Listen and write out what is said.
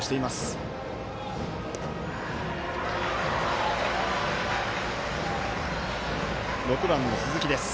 バッター、６番の鈴木です。